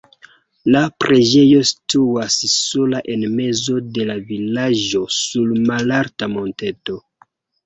La preĝejo situas sola en mezo de la vilaĝo sur malalta monteto.